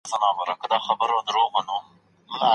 زه کولای سم کور پاک کړم.